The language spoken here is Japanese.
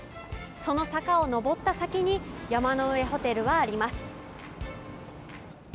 その坂を上り切った先に山の上ホテルはあります。